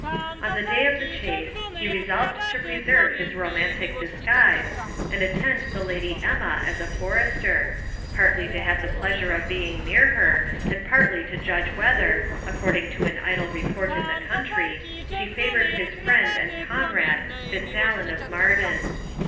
On the day of the chase he resolved to preserve his romantic disguise, and attend the Lady Emma as a forester, partly to have the pleasure of being near her and partly to judge whether, according to an idle report in the country, she favoured his friend and comrade Fitzallen of Marden.